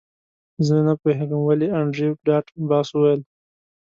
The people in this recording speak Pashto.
زه نه پوهیږم ولې انډریو ډاټ باس وویل